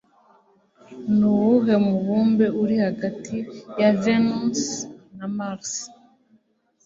Nuwuhe mubumbe uri hagati ya Venusi na Mars?